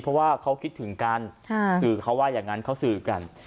เพราะว่าเขาคิดถึงกันคือเขาว่าอย่างนั้นเขาสื่อกัน